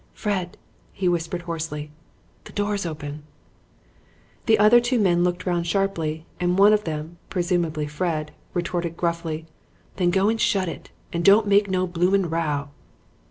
"'Fred,' he whispered hoarsely, 'the door's open.' "The other two men looked round sharply, and one of them presumably Fred retorted gruffly, 'Then go and shut it. And don't make no bloomin' row.'